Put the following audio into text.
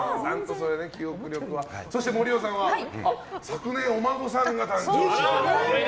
そして森尾さんは昨年、お孫さんが誕生。